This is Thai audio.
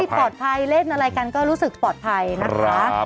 ปลอดภัยเล่นอะไรกันก็รู้สึกปลอดภัยนะคะ